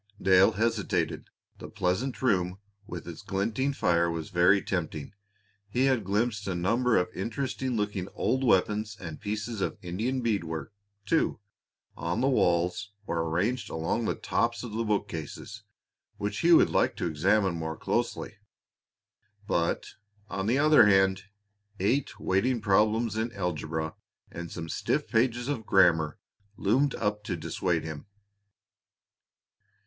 Dale hesitated. The pleasant room with its glinting fire was very tempting. He had glimpsed a number of interesting looking old weapons and pieces of Indian beadwork, too, on the walls or arranged along the tops of the bookcases, which he would like to examine more closely. But, on the other hand, eight waiting problems in algebra and some stiff pages of grammar loomed up to dissuade him.